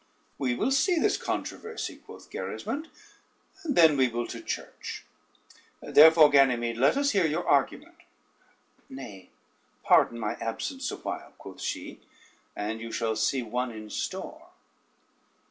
"We will see this controversy," quoth Gerismond, "and then we will to church. Therefore, Ganymede, let us hear your argument." "Nay, pardon my absence a while," quoth she, "and you shall see one in store."